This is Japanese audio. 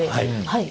はい。